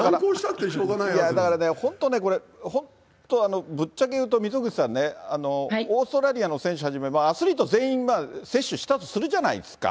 だからね、本当これ、本当、ぶっちゃけ言うと、溝口さんね、オーストラリアの選手はじめ、アスリート全員、接種したとするじゃないですか。